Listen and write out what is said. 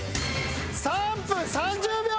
３分３０秒。